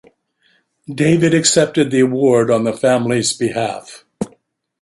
David accepted the award on the family's behalf.